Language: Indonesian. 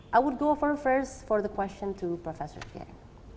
saya akan mulai dari pertanyaan kepada prof fier